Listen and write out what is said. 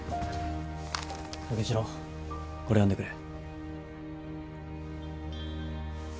武四郎これ読んでくれ。